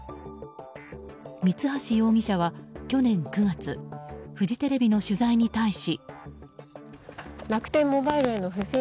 三橋容疑者は去年９月フジテレビの取材に対し。